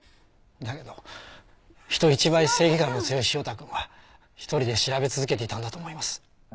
だけど人一倍正義感の強い汐田君は１人で調べ続けていたんだと思います。